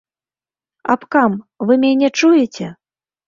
Абкам, вы мяне чуеце?